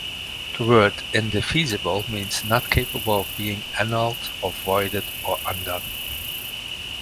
The word "indefeasible" means "not capable of being annulled, or voided, or undone.